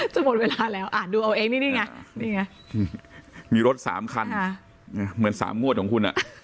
จะหมดเวลาแล้วอ่านดูเอาเองนี่ไงมีรถ๓คันเหมือน๓งวดของคุณ